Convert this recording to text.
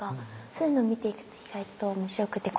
そういうのを見ていくと意外と面白くて。